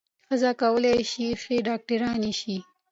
ښځې کولای شي چې ښې ډاکټرانې شي.